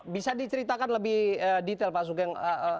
bisa diceritakan lebih detail pak sugeng